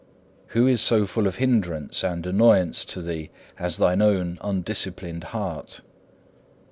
Who is so full of hindrance and annoyance to thee as thine own undisciplined heart?